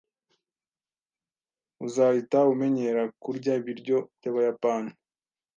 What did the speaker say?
Uzahita umenyera kurya ibiryo byabayapani.